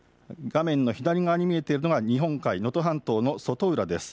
画面の左側に見えているのが日本海、能登半島の外浦です。